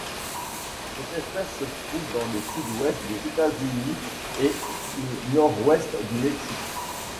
Cette espèce se trouve dans le sud-ouest des États-Unis et le nord-ouest du Mexique.